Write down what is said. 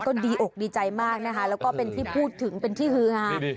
ก็ดีอกดีใจมากนะคะแล้วก็เป็นที่พูดถึงเป็นที่ฮือฮา